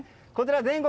全国